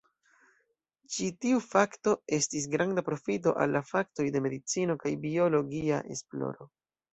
Ĉi tiu fakto estis granda profito al la faktoj de medicino kaj biologia esploro.